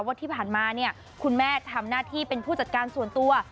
ว่าที่ผ่านมาเนี่ยคุณแม่ทำหน้าที่เป็นผู้จัดการส่วนตัว